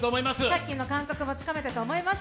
さっきの感覚もつかめたと思います。